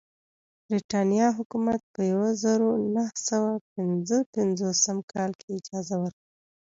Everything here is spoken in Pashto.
برېټانیا حکومت په یوه زرو نهه سوه پنځه پنځوسم کال کې اجازه ورکړه.